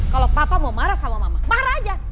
kalau papa mau marah sama mama marah aja